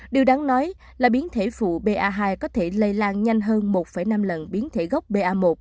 điều đáng nói là biến thể phụ ba hai có thể lây lan nhanh hơn một năm lần biến thể gốc ba